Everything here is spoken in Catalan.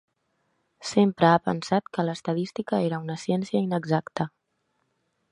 Sempre ha pensat que l'estadística era una ciència inexacta.